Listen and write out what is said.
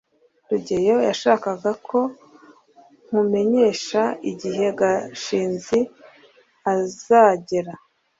rugeyo yashakaga ko nkumenyesha igihe gashinzi azagera